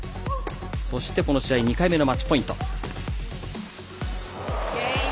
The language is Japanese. そして、この試合２回目のマッチポイント。